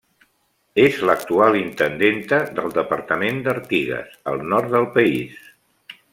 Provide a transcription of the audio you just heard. És l'actual intendenta del departament d'Artigas, al nord del país.